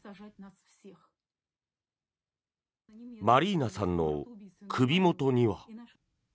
マリーナさんの首元には。